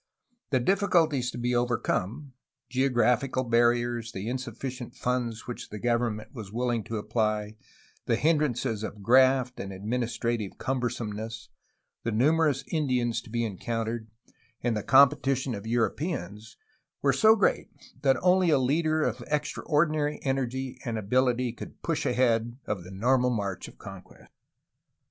The difficulties to be overcome — geographical bar riers, the insufficient funds which the government was willing to apply, the hindrances of graft and administrative cum bersomeness, the numerous Indians to be encountered, and the competition of Europeans — ^were so great that only a leader of extraordinary energy and ability could push ahead of the normal march of conquest.